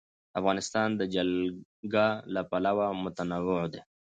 افغانستان د جلګه له پلوه متنوع دی.